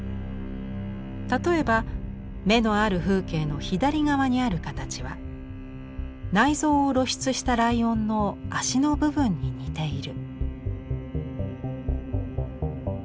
例えば「眼のある風景」の左側にある形は内臓を露出したライオンの足の部分に似ている。